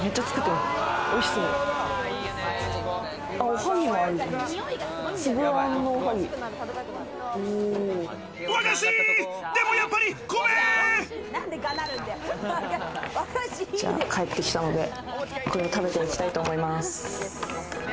じゃあ帰ってきたので、これを食べていきたいと思います。